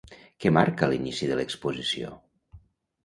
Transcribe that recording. Què marca l'inici de l'exposició?